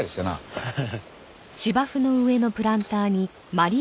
ハハハハ。